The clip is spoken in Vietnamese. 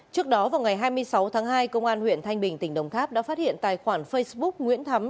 trước đó vào ngày hai mươi sáu tháng hai công an huyện thanh bình tỉnh đồng tháp đã phát hiện tài khoản facebook nguyễn thắm